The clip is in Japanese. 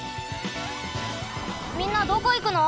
みんなどこいくの？